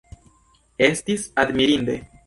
Estis admirinde!